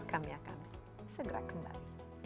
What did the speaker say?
kami akan segera kembali